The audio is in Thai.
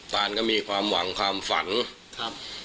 ตานก็มีความหวังความฝันครับ